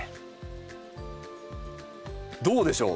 どうでしょう？